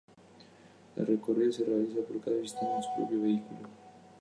La recorrida se realiza por cada visitante en su propio vehículo.